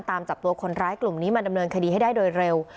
ตามจับตัวคนร้ายกลุ่มนี้มาดำเนินคดีให้ได้โดยเร็ว